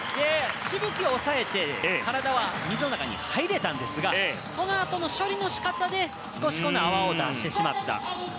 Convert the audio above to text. しぶきを抑えて体は水の中に入れたんですがそのあとの処理の仕方で少し泡を出してしまった。